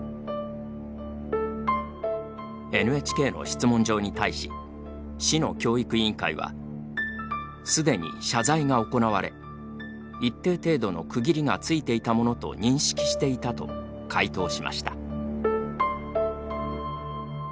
ＮＨＫの質問状に対し市の教育委員会はすでに、謝罪が行われ一定程度の区切りがついていたものと認識していたと回答しました。